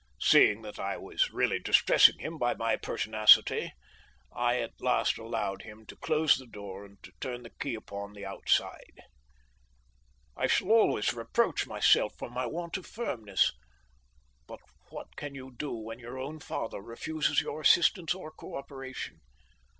Seeing that I was really distressing him by my pertinacity, I at last allowed him to close the door and to turn the key upon the outside. I shall always reproach myself for my want of firmness. But what can you do when your own father refuses your assistance or co operation?